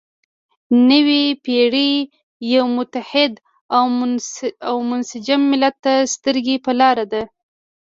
نوې پېړۍ یو متحد او منسجم ملت ته سترګې په لاره ده.